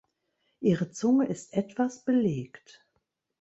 Ihre Zunge ist etwas belegt.